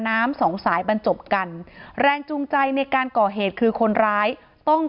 สองสายบรรจบกันแรงจูงใจในการก่อเหตุคือคนร้ายต้อง